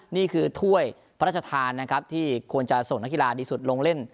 ถ้วยพระราชทานนะครับที่ควรจะส่งนักกีฬาดีสุดลงเล่น